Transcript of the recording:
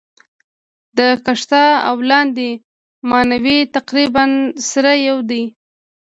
د کښته او لاندي ماناوي تقريباً سره يو دي.